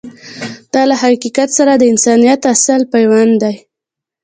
دا له حقیقت سره د انسانیت اصیل پیوند دی.